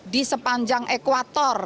di sepanjang ekuator